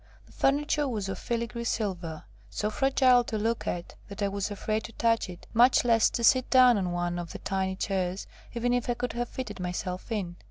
The furniture was of filigree silver, so fragile to look at that I was afraid to touch it, much less to sit down on one of the tiny chairs, even if I could have fitted myself in.